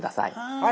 はい。